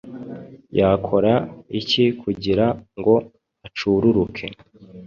yakora iki kugira ngo acururuke